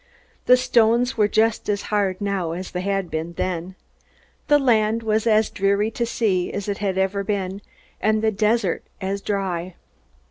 The stones were just as hard now as they had been then. The land was as dreary to see as it had ever been, and the desert as dry.